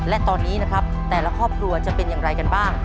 และตอนนี้นะครับแต่ละครอบครัวจะเป็นอย่างไรกันบ้าง